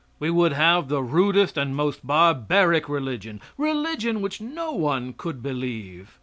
We would have the rudest and most barbaric religion religion which no one could believe.